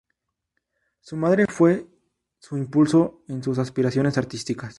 Su madre fue su impulso en sus aspiraciones artísticas.